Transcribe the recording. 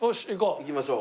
行きましょう。